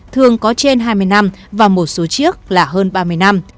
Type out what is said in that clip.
thường có trên hai mươi năm và một số chiếc là hơn ba mươi năm